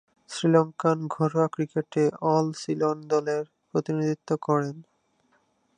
শ্রীলঙ্কান ঘরোয়া ক্রিকেটে অল-সিলন দলের প্রতিনিধিত্ব করেন।